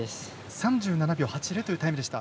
３７秒８０というタイムでした。